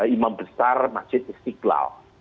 imam besar masjid istiqlal